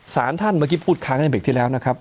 สารท่านเมื่อกี้พูดค้างในเบรกที่แล้วนะครับ